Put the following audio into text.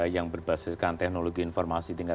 yang berbasiskan teknologi informasi dan informasi